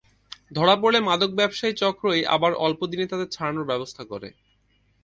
ধরা পড়লে মাদক ব্যবসায়ী চক্রই আবার অল্প দিনে তাঁদের ছাড়ানোর ব্যবস্থা করে।